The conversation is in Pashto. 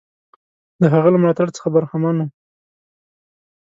د هغه له ملاتړ څخه برخمن وو.